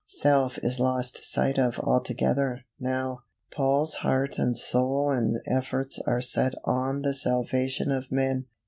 Self is lost sight of altogether, now; Paul's heart and soul and efforts are set on the salvation of men.